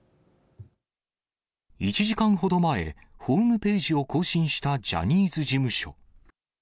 １時間ほど前、ホームページを更新したジャニーズ事務所。